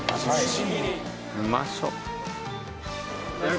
うまそう。